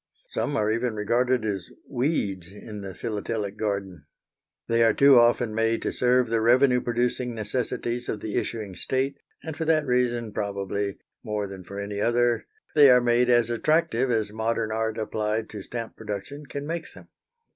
Some are even regarded as weeds in the philatelic garden. They are too often made to serve the revenue producing necessities of the issuing state, and for that reason probably, more than for any other, they are made as attractive as modern art applied to stamp production can make them.